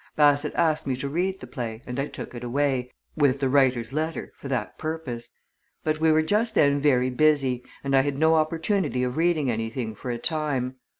Bassett asked me to read the play, and I took it away, with the writer's letter, for that purpose. But we were just then very busy, and I had no opportunity of reading anything for a time.